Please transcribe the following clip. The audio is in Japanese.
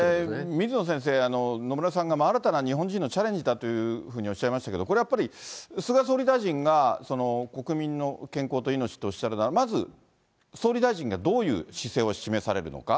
水野先生、野村さんが新たな日本人のチャレンジだというふうにおっしゃいましたけれども、これやっぱり、菅総理大臣が国民の健康と命とおっしゃるのは、まず総理大臣がどういう姿勢を示されるのか。